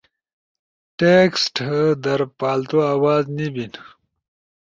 ٹیکسٹ در پالتو آواز نے بین